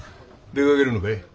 出かけるのかい？